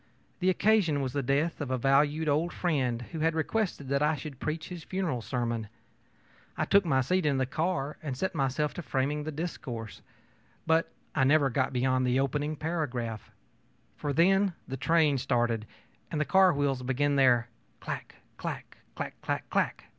The occasion was the death of a valued old friend who had requested that I should preach his funeral sermon. I took my seat in the cars and set myself to framing the discourse. But I never got beyond the opening paragraph; for then the train started and the car wheels began their 'clack, clack clack clack clack!